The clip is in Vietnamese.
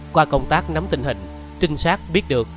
qua công tác nắm tình hình trinh sát biết được